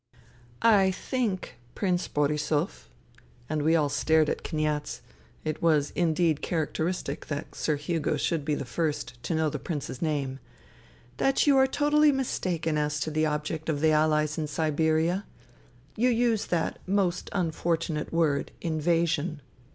" I think, Prince Borisov " (and we all stared at Kniaz : it w^as indeed characteristic that Sir Hugo should be the first to know the Prince's name), " that you are totally mistaken as to the object of the AlUes in Siberia. You use that most unfortunate word ' invasion.'